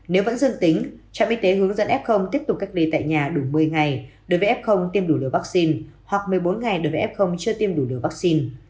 nếu vẫn dương tính trạm y tế hướng dẫn f tiếp tục cách ly tại nhà đủ một mươi ngày đối với f tiêm đủ liều vaccine hoặc một mươi bốn ngày đối với f chưa tiêm đủ liều vaccine